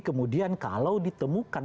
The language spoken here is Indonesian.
kemudian kalau ditemukan